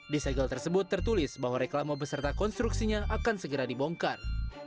di segel tersebut tertulis bahwa reklama beserta konstruksinya akan segera dibongkar